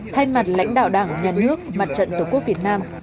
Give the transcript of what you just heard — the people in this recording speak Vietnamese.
thay mặt lãnh đạo đảng nhà nước mặt trận tổ quốc việt nam